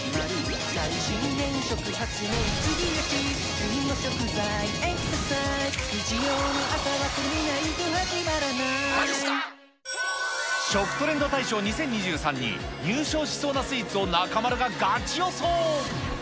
今なら補助金でお得食トレンド大賞２０２３に入賞しそうなスイーツを中丸がガチ予想。